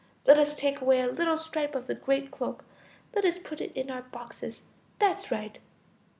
Let us take away a little strip of the great cloak. Let us put it in our boxes. That's right.